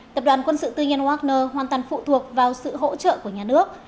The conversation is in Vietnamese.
tập đoàn quân sự tư nhân wagner hoàn toàn phụ thuộc vào sự hỗ trợ của nhà nước